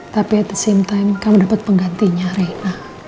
tapi at the same time kamu dapat penggantinya reina